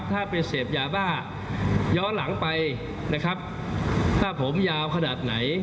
ถ้าไปเสพยาบ้าย้อนหลังไปนะครับถ้าผมยาวขนาดไหน